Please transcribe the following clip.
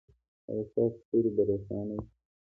ایا ستاسو ستوری به روښانه وي؟